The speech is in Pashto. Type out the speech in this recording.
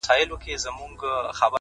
ساقي جانانه ته را یاد سوې تر پیالې پوري-